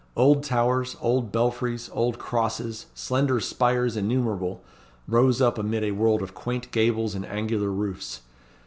Old towers, old belfries, old crosses, slender spires innumerable, rose up amid a world of quaint gables and angular roofs.